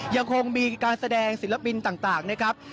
ยังคงมีการแสดงศิลปินต่างนะครับ